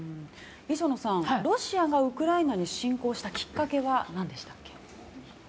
磯野さん、ロシアがウクライナに侵攻したきっかけは何でしたっけ？